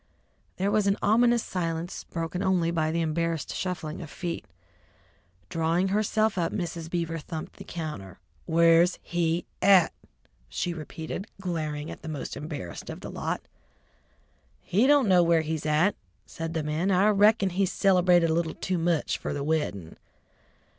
There was an ominous silence, broken only by the embarrassed shuffling of feet. Drawing herself up, Mrs. Beaver thumped the counter. "Where's he at?" she repeated, glaring at the most embarrassed of the lot. "He don't know where he's at," said the man. "I rickon he cilebrated a little too much fer the weddin'."